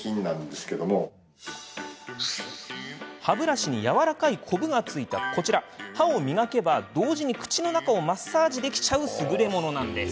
歯ブラシに、やわらかいこぶが付いたこちら歯を磨けば、同時に口の中をマッサージできちゃうすぐれもの。